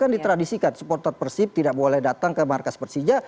kan ditradisikan supporter persib tidak boleh datang ke markas persija